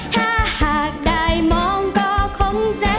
ถ้าหากได้มองก็คงจะ